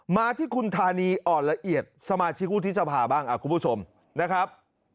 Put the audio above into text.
มาที่คุณธานีอ่อนละเอียดสมาชิกวุฒิสภาบ้างคุณผู้ชมนะครับ